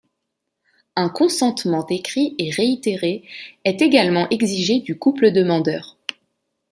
Un consentement écrit et réitéré est également exigé du couple demandeur.